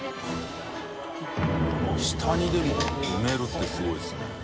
爾でも埋めるってすごいですね。